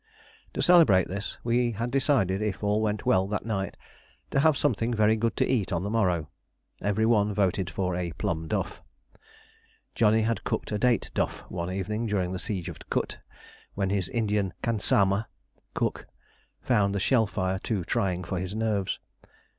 To celebrate this we had decided, if all went well that night, to have something very good to eat on the morrow. Every one voted for a plum duff. Johnny had cooked a date duff one evening during the siege of Kut, when his Indian khansama (cook) found the shell fire too trying for his nerves.